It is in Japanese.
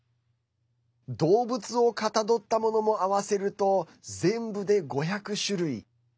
動物をかたどったものも合わせると、全部で５００種類。